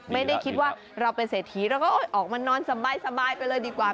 ไม่ได้คิดว่าเราเป็นเศรษฐีเราก็ออกมานอนสบายไปเลยดีกว่า